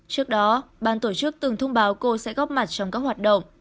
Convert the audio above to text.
trước đó ban tổ chức từng thông báo cô sẽ góp mặt trong các hoạt động